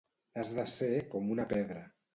Has de ser com una pedra.